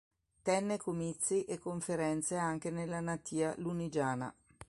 Tenne comizi e conferenze anche nella natia Lunigiana.